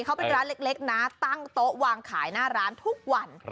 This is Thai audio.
เขาเป็นร้านเล็กนะตั้งโต๊ะวางขายหน้าร้านทุกวัน